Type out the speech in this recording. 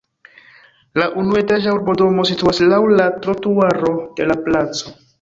La unuetaĝa urbodomo situas laŭ la trotuaro de la placo.